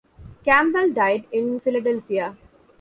Campbell died in Philadelphia.